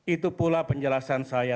itu pula penjelasan saya